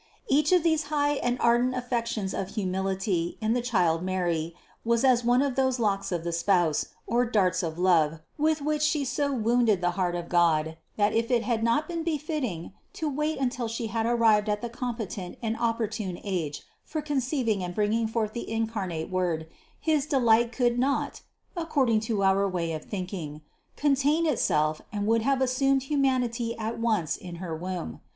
663. Each of these high and ardent affections of humility in the child Mary was as one of those locks of the Spouse, or darts of love, with which She so wounded the heart of God, that, if it had not been befitting to wait until She had arrived at the competent and opportune age for conceiving and bringing forth the incarnate Word, his delight could not (according to our way of thinking) contain itself and would have assumed humanity at once in her womb.